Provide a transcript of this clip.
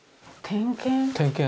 「点検」。